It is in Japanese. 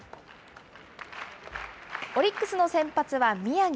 オリックスの先発は宮城。